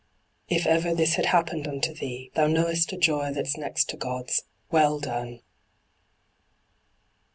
If ever this had happened unto thee, Thou knowest a joy that's next to God's "Well done!